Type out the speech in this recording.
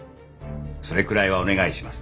それくらいはお願いします。